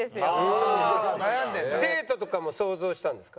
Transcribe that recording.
デートとかも想像したんですか？